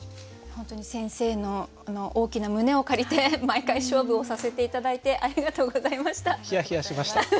本当に先生の大きな胸を借りて毎回勝負をさせて頂いてありがとうございました。